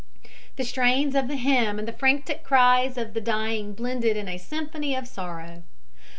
The strains of the hymn and the frantic cries of the dying blended in a symphony of sorrow.